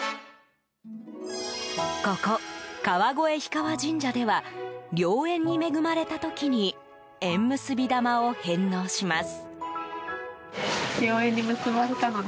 ここ、川越氷川神社では良縁に恵まれた時に縁結び玉を返納します。